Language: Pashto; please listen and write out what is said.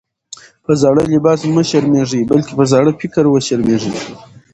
په زاړه لباس مه شرمېږئ! بلکي په زاړه فکر وشرمېږئ.